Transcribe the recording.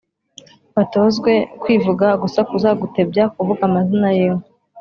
batozwe kwivuga, gusakuza, gutebya, kuvuga amazina y’inka;